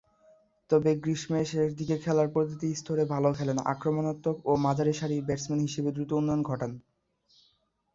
তবে, গ্রীষ্মের শেষদিকে খেলার প্রতিটি স্তরে ভালো খেলেন, আক্রমণাত্মক ও মাঝারিসারির ব্যাটসম্যান হিসেবে দ্রুত উন্নয়ন ঘটান।